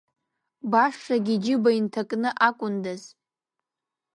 Башагьы иџьыба инҭакны акәындаз!